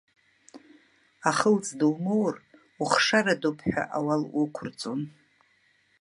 Ахылҵ думоур, ухшарадоуп ҳәа ауал уқәырҵон.